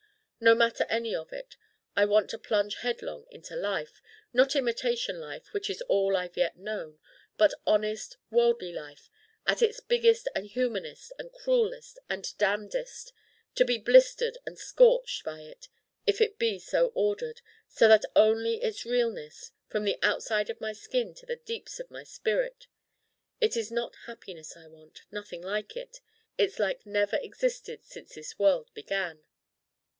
No matter for any of it. I want to plunge headlong into life not imitation life which is all I've yet known, but honest worldly life at its biggest and humanest and cruelest and damnedest: to be blistered and scorched by it if it be so ordered so that only it's realness from the outside of my skin to the deeps of my spirit. It is not happiness I want nothing like it: its like never existed since this world began.